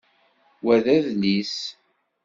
Wa d adlis.